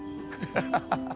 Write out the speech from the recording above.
ハハハ